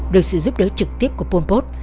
được sự giúp đỡ trực tiếp của pol pot